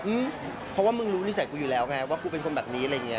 เพราะว่ามึงรู้นิสัยกูอยู่แล้วไงว่ากูเป็นคนแบบนี้อะไรอย่างเงี้